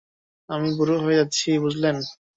আমি বুড়ো হয়ে যাচ্ছি, বুঝলেন?